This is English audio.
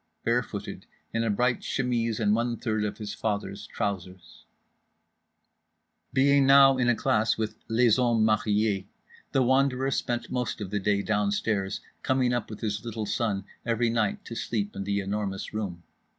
Bare footed, in a bright chemise and one third of his father's trousers…. Being now in a class with "les hommes mariés" The Wanderer spent most of the day downstairs, coming up with his little son every night to sleep in The Enormous Room.